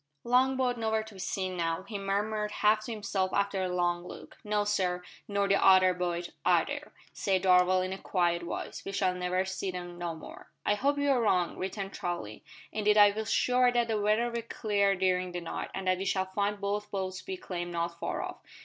"Long boat nowhere to be seen now," he murmured half to himself after a long look. "No, sir nor the other boat either," said Darvall in a quiet voice. "We shall never see 'em no more." "I hope you are wrong," returned Charlie; "indeed I feel sure that the weather will clear during the night, and that we shall find both boats becalmed not far off."